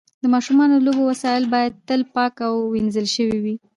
د ماشومانو د لوبو وسایل باید تل پاک او وینځل شوي وي.